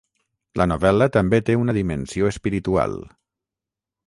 La novel·la també té una dimensió espiritual.